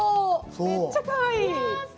めっちゃかわいい。